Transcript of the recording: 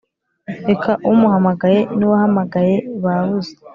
reka umuhamagaye n'uwahamagaye babuze;